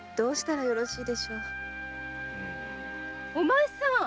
お前さん！